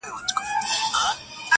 زه و خدای چي زړه و تن مي ټول سوځېږي,